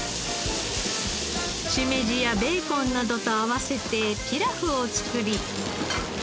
シメジやベーコンなどと合わせてピラフを作り。